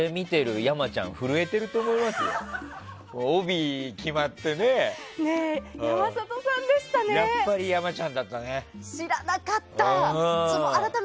やっぱり山ちゃんだったね。